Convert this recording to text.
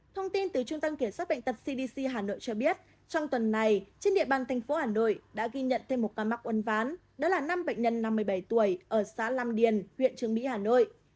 thông tin từ trung tâm kiểm soát bệnh tật cdc hà nội cho biết trong tuần này trên địa bàn thành phố hà nội đã ghi nhận thêm một ca mắc uân ván đó là năm bệnh nhân năm mươi bảy tuổi ở xã lam điền huyện trường mỹ hà nội